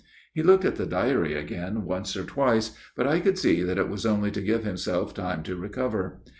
He looked at the diary again once or twice, but I could see that it was only to give himself time to recover.